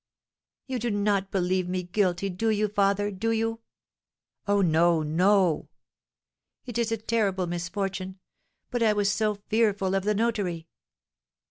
"You do not believe me guilty, do you, father, do you?" "Oh, no, no!" "It is a terrible misfortune; but I was so fearful of the notary."